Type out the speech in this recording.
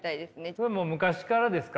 それは昔からですか？